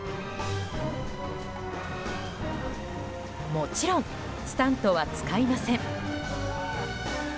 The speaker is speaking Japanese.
もちろん、スタントは使いません。